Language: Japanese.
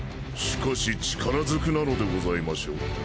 しかし力ずくなのでございましょう？